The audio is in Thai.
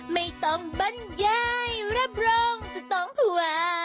ไม่ต้องบรรยายรับรองสักสองหัว